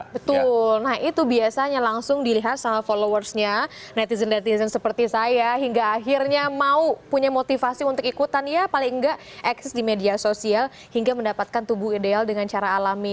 betul nah itu biasanya langsung dilihat sama followersnya netizen netizen seperti saya hingga akhirnya mau punya motivasi untuk ikutan ya paling enggak eksis di media sosial hingga mendapatkan tubuh ideal dengan cara alami